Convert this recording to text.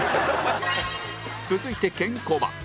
続いてケンコバ